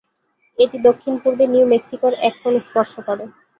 এটি দক্ষিণ-পূর্বে নিউ মেক্সিকোর এক কোণ স্পর্শ করে।